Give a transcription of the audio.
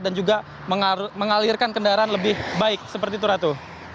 dan juga mengalirkan kendaraan lebih baik seperti itu ratu